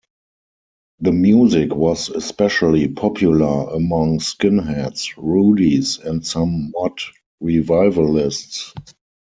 The music was especially popular among skinheads, rudies and some mod revivalists.